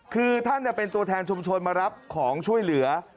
คือท่านเป็นตัวแทนชุมชนมารับของช่วยเหลือ